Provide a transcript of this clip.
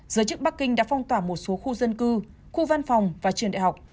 giới chức bắc kinh đã phong tỏa một số khu dân cư khu văn phòng và trường đại học